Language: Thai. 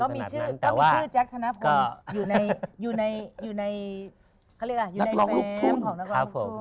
ก็มีชื่อแจ๊คธนาภูมิอยู่ในแฟมของนักร้องลูกทุ่ง